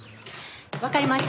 わかりました。